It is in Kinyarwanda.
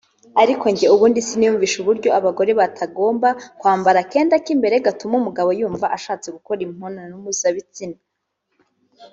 Ariko njye ubundi siniyumvisha uburyo abagore batagomba kwamba akenda k’imbere gatuma umugabo yumva ashatse gukora imibonano mpuzabitsina